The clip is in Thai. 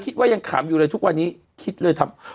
คิดว่ายังขำอยู่เลยทุกวันนี้คิดเลยทำ